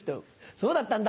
そうだったんだ。